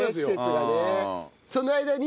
その間に。